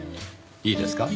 いいですか？